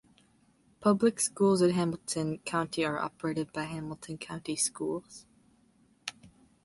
Public schools in Hamilton County are operated by Hamilton County Schools.